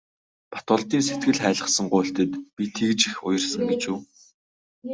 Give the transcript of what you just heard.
Батболдын сэтгэл хайлгасан гуйлтад би тэгж их уярсан гэж үү.